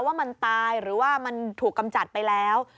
ว่ามันตายหรือว่ามันถูกกำจัดไปแล้ว